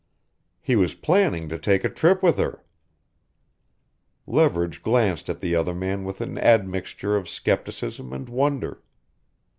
"He was planning to take a trip with her." Leverage glanced at the other man with an admixture of skepticism and wonder.